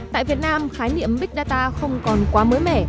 tại việt nam khái niệm big data không còn quá mới mẻ